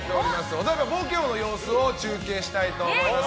お台場冒険王の様子を中継したいと思います。